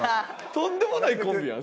とんでもないコンビやん